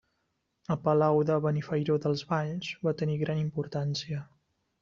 El Palau de Benifairó dels Valls va tenir gran importància.